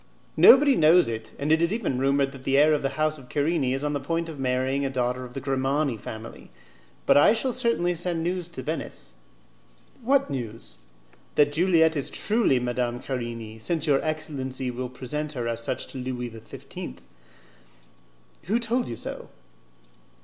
"Nobody knows it, and it is even rumoured that the heir of the house of Querini is on the point of marrying a daughter of the Grimani family; but I shall certainly send the news to Venice." "What news?" "That Juliette is truly Madame Querini, since your excellency will present her as such to Louis XV." "Who told you so?"